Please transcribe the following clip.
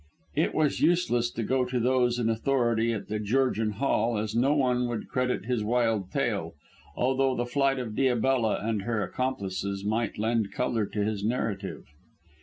It was useless to go to those in authority at The Georgian Hall as no one would credit his wild tale, although the flight of Diabella and her accomplices might lend colour to his narrative.